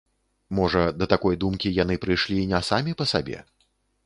Можа, да такой думкі яны прыйшлі не самі па сабе.